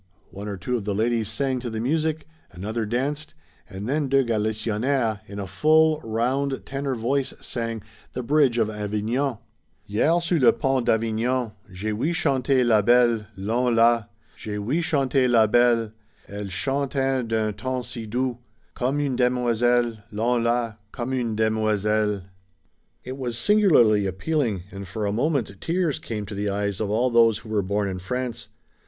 One or two of the ladies sang to the music, another danced, and then de Galisonniére, in a full, round tenor voice, sang "The Bridge of Avignon." "Hier sur le pont d'Avignon J'ai oui chanter la belle Lon, la, J'ai oui chanter la belle, Elle chantait d'un ton si doux Comme une demoiselle Lon, la, Comme une demoiselle." It was singularly appealing, and for a moment tears came to the eyes of all those who were born in France.